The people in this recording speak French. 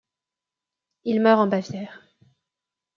Il meurt en Bavière.